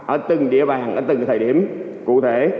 ở từng địa bàn ở từng thời điểm cụ thể